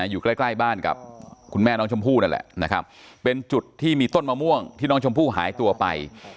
อยู่ใกล้ใกล้บ้านกับคุณแม่น้องชมพู่นั่นแหละนะครับเป็นจุดที่มีต้นมะม่วงที่น้องชมพู่หายตัวไป